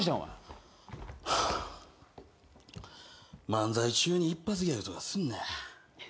漫才中に一発ギャグとかすんなや。